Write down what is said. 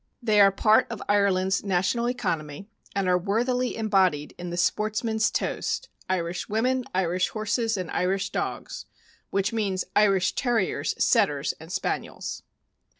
They are part of Ireland's national economy, and are worthily embodied in the sportsman's toast — "Irish women, Irish horses, and Irish dogs" (which means Irish Terriers, Setters, and Spaniels).